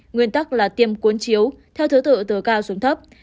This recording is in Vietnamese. nguyên tắc là tiêm cuốn chiếu theo thứ tự từ cao xuống thấp